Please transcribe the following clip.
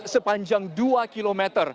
sepanjang dua km